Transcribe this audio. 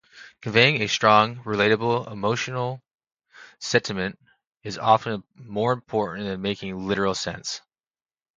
Conveying a strong, relatable emotional sentiment is often more important than making literal sense.